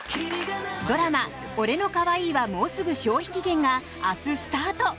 ドラマ「俺の可愛いはもうすぐ消費期限！？」が明日、スタート。